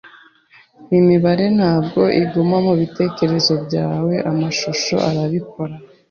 Imibare ntabwo iguma mubitekerezo byawe, amashusho arabikora.